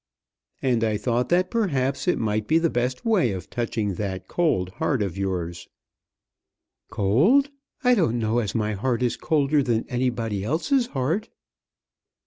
"And I thought that perhaps it might be the best way of touching that cold heart of yours." "Cold! I don't know as my heart is colder than anybody else's heart."